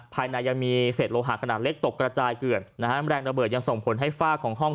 ภายในยังมีเศษโลหะขนาดเล็กตกกระจายเกือนนะฮะแรงระเบิดยังส่งผลให้ฝากของห้อง